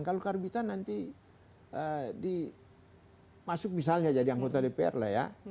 kalau karbitan nanti dimasuk misalnya jadi anggota dpr lah ya